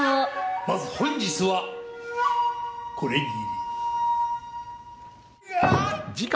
まず本日はこれぎり。